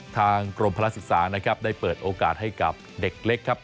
ทางกรมภรรยาศึกษาได้เปิดโอกาสให้กับเด็กเล็กครับ